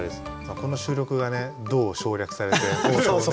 この収録がねどう省略されて放送。